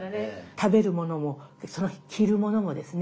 食べるものもその日着るものもですね